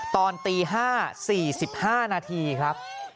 ตอนตี๕๔๕นาทีครับ